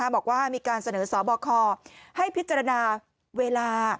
บอกว่ามีการเสนอสบคให้พิจารณาเวลา